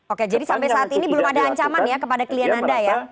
oke jadi sampai saat ini belum ada ancaman ya kepada klien anda ya